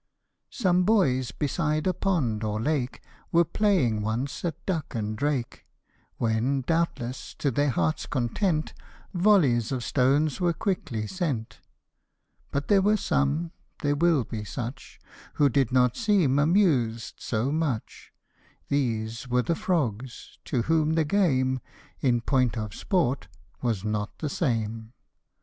SOME boys, beside a pond or lake, Were playing once at duck and drake ; When, doubtless to their heart's content, Volleys of stones were quickly sent. But there were some (there will be such) Who did not seem amused so much ; These were the frogs, to whom the game, In point of sport, was not the same.